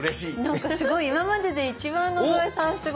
なんか今までで一番野添さんすごい。